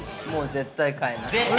◆絶対買います。